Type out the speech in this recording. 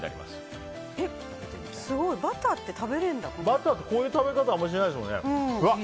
バターってこういう食べ方しないですもんね。